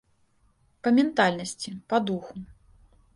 Па ментальнасці, па духу.